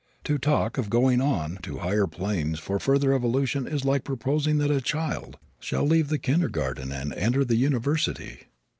To talk of going on to higher planes for further evolution is like proposing that a child shall leave the kindergarten and enter the university.